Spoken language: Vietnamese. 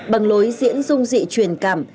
bằng lối diễn dung dị truyền cảm